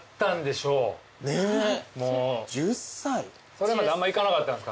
それまであんま行かなかったんすか？